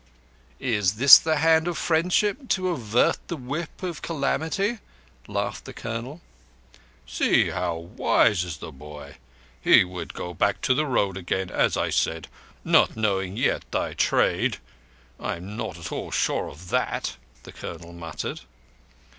"Is this the Hand of Friendship to avert the Whip of Calamity?" laughed the Colonel. "See how wise is the boy. He would go back to the Road again, as I said. Not knowing yet thy trade—" "I am not at all sure of that," the Colonel muttered.